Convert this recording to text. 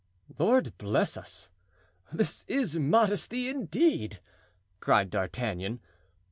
"Lord bless us! this is modesty indeed!" cried D'Artagnan.